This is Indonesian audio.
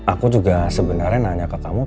aku juga sebenarnya nanya ke kamu